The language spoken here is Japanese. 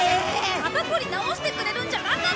肩こり治してくれるんじゃなかったの！？